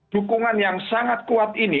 dukungan yang sangat kuat ini